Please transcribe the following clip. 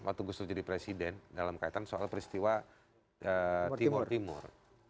waktu gus dur jadi presiden dalam kaitan soal peristiwa timur timur